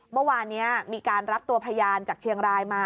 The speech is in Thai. เมื่อวานนี้มีการรับตัวพยานจากเชียงรายมา